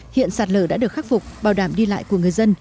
hiện sạt lở đã được khắc phục bảo đảm đi lại của người dân